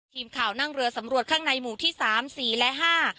ทีมข่าวนั่งเรือสำรวจข้างในหมู่ที่๓๔และ๕